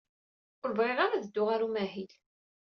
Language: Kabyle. Ur bɣiɣ ara ad dduɣ ɣer umahil.